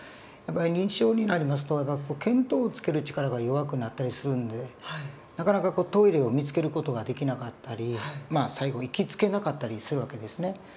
やっぱり認知症になりますと見当をつける力が弱くなったりするんでなかなかトイレを見つける事ができなかったり最後行き着けなかったりする訳ですね。